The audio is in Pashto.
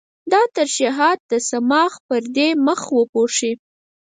دا ترشحات د صماخ پردې مخ وپوښي.